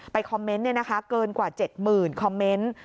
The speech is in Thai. คอมเมนต์เกินกว่า๗๐๐คอมเมนต์